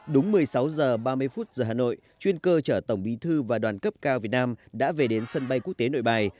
đúng một mươi sáu h ba mươi giờ hà nội chuyên cơ chở tổng bí thư và đoàn cấp cao việt nam đã về đến sân bay quốc tế nội bài